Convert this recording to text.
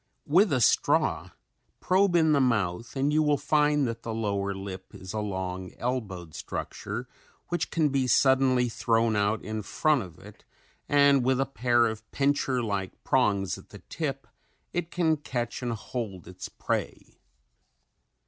With a straw probe in the mouth and you will find that the lower lip is a long elbowed structure which can be suddenly thrown out in front of it and with a pair of pincher like prongs at the tip it can catch and hold its prey.